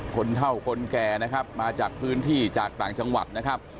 คนเท่าคนแก่นะครับมาจากพื้นที่จากต่างจังหวัดนะครับ